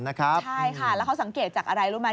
ใช่ค่ะแล้วเขาสังเกตจากอะไรรู้ไหม